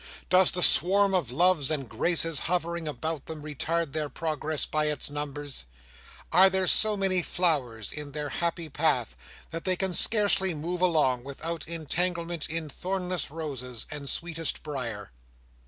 Does the swarm of loves and graces hovering about them retard their progress by its numbers? Are there so many flowers in their happy path, that they can scarcely move along, without entanglement in thornless roses, and sweetest briar?